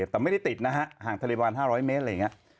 แต่ไม่ได้ติดนะฮะห่างทะเลประมาณ๕๐๐เมตรอะไรอย่างนี้